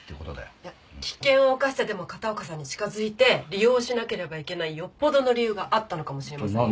いや危険を冒してでも片岡さんに近づいて利用しなければいけないよっぽどの理由があったのかもしれませんよ。